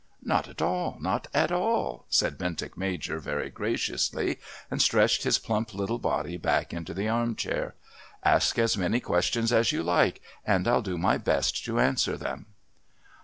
"Not at all. Not at all," said Bentinck Major very graciously, and stretching his plump little body back into the arm chair. "Ask as many questions as you like and I'll do my best to answer them."